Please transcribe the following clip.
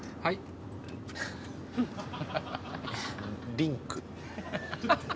リンク。